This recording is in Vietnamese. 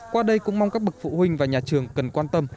qua đây cũng mong các bậc phụ huynh và nhà trường cần quan tâm